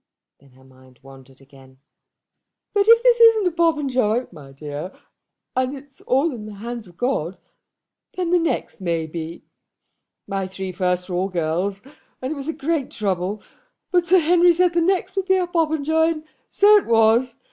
Then her mind wandered again. "But if this isn't a Popenjoy, my dear, and it's all in the hands of God, then the next may be. My three first were all girls; and it was a great trouble; but Sir Henry said the next would be a Popenjoy; and so it was.